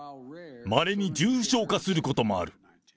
まれに重症化することもある。